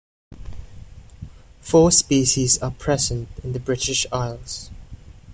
Four species are present in the British Isles.